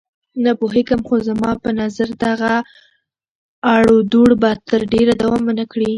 نه پوهېږم، خو زما په نظر دغه اړودوړ به تر ډېره دوام ونه کړي.